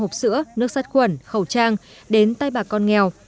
hộp sữa nước sát quẩn khẩu trang đến tay bà con nghèo